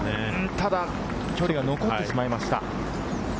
ただ距離が残ってしまいました。